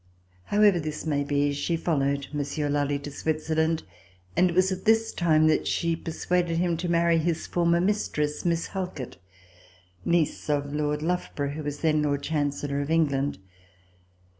However this may be, she followed M. Lally to Switzerland, and it was at this time that she persuaded him to marry his former mistress, Miss Halkett, niece of Lord Loughborough, who was then Lord Chancellor of England.